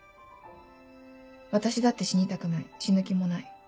私だって死にたくない死ぬ気もない。